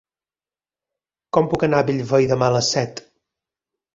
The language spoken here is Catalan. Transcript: Com puc anar a Bellvei demà a les set?